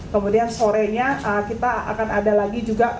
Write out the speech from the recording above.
kemudian sorenya kita akan ada lagi juga